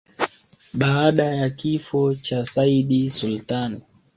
Baada ya kifo cha Sayyid Sultan